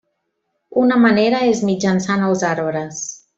Una manera és mitjançant els arbres.